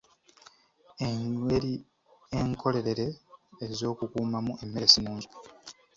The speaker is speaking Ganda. Engeri enkolerere ez'okukuumamu emmere si nnungi.